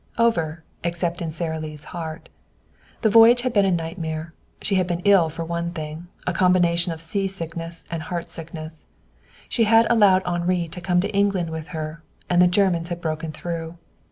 Over, except in Sara Lee's heart. The voyage had been a nightmare. She had been ill for one thing a combination of seasickness and heartsickness. She had allowed Henri to come to England with her, and the Germans had broken through.